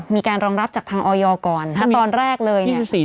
มีการรองรับจากทางออยก่อนถ้าตอนแรกเลยเนี่ย